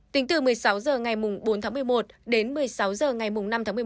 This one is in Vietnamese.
tính từ một mươi sáu h ngày bốn tháng một mươi một đến một mươi sáu h ngày năm tháng một mươi một